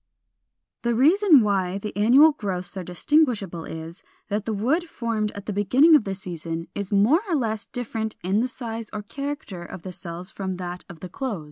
435. The reason why the annual growths are distinguishable is, that the wood formed at the beginning of the season is more or less different in the size or character of the cells from that of the close.